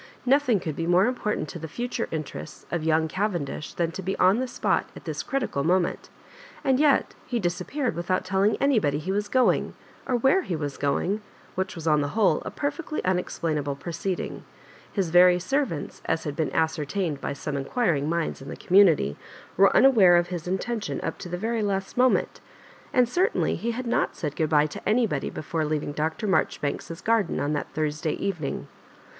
Nothing could be more important to the future interests of young Cavendish than to be on the spot at this critical moment, and yet he disappeared without telling anybody he was going, or where he was going, which was on the whole a perfectly unexplainable proceeding. His very servants, as had been ascertained by some inquiring mind in the community, were unaware Digitized by VjOOQIC KISS HASJOBIBAimS. 63 of his inteniion up to the very last moment; and certainly he had not said good by.e to anybody before leaving Dr. Marjoribanks's garden on that Thursday evening.